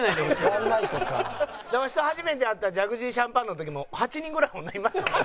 わしと初めて会ったジャグジーシャンパンの時も８人ぐらい女いましたよね？